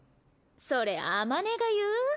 それあまねが言う？